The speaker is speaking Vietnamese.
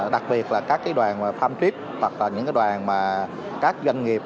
đặc biệt là các cái đoàn farm trip hoặc là những cái đoàn mà các doanh nghiệp